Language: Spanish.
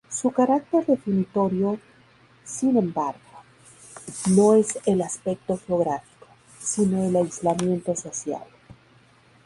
Su carácter definitorio, sin embargo, no es el aspecto geográfico, sino el aislamiento social.